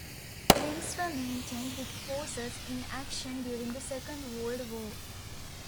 Links were maintained with forces in action during the Second World War.